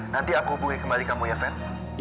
nanti aku hubungi kembali kamu ya van